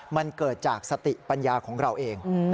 มันเกิดจากสติปัญญาของเราเอง